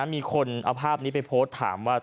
มีคนเอาภาพนี้ไปโพสต์ถามว่า